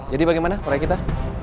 jadi bagaimana proyek kita